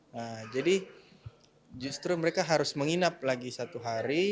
nah jadi justru mereka harus menginap lagi satu hari